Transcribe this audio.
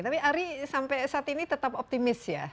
tapi ari sampai saat ini tetap optimis ya